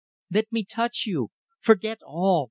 Let me touch you. Forget all